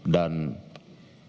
dan dari jadwal